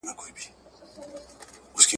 آيا اسلام د ټول بشريت له پاره د سولي دين نه دی؟